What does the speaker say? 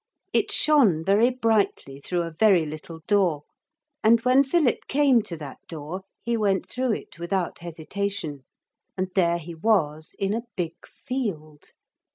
It shone very brightly through a very little door, and when Philip came to that door he went through it without hesitation. And there he was in a big field.